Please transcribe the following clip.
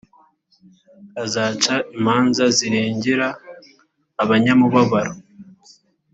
azaca imanza zirengera abanyamubabaro